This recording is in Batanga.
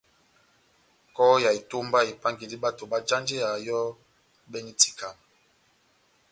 Kɔhɔ ya etómba epángandi bato bajanjeya yɔ́ ohibɛnɛ itikama.